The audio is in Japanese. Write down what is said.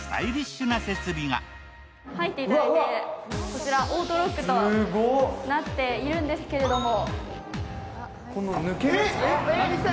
こちらオートロックとなっているんですけれども。